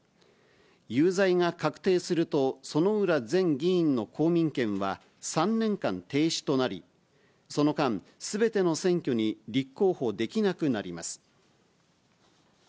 有罪が確定すると、薗浦前議員の公民権は３年間停止となり、その間、すべての選挙に立候補できなくなります。